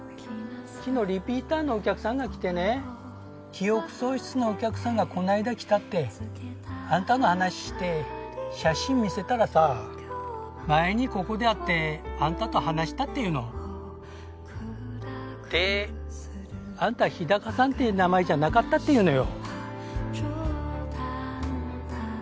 昨日リピーターのお客さんが来てね記憶喪失のお客さんがこないだ来たってあんたの話して写真見せたらさ前にここで会ってあんたと話したっていうのであんた日高さんって名前じゃなかったっていうのよ